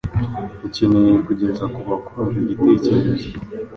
ukeneye kugeza ku bakumva igitecyerezo